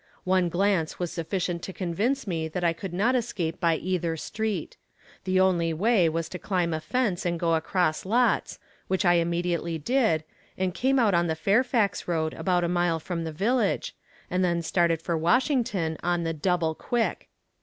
One glance was sufficient to convince me that I could not escape by either street. The only way was to climb a fence and go across lots, which I immediately did, and came out on the Fairfax road about a mile from the village, and then started for Washington on the "double quick."